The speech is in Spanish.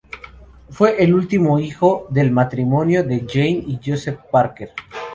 Fue el último hijo del matrimonio de Jane y Joseph Parker.